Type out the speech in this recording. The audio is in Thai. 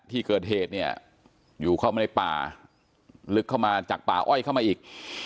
ที่เกิดเหตุเนี่ยอยู่เข้ามาในป่าลึกเข้ามาจากป่าอ้อยเข้ามาอีก